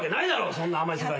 そんな甘い世界。